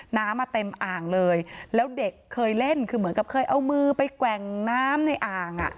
น้ำมาเต็มอ่างเลยแล้วเด็กเคยเล่นคือเหมือนกับเคยเอามือไปแกว่งน้ำในอ่างอ่ะ